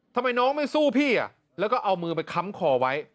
ทำไมน้องไม่สู้พี่แล้วก็เอามือไปค้ำคอไว้